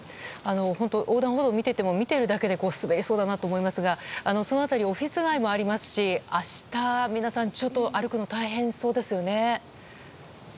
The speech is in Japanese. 本当、横断歩道を見ていても見ているだけで滑りそうだなと思いますがその辺りオフィス街もありますし明日、皆さん歩くの大変そうですよね。